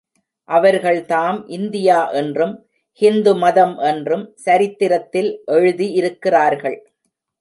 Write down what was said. அவர்கள்தாம் India என்றும், ஹிந்து மதம் என்றும் சரித்திரத்தில் எழுதி இருக்கிறார்கள்.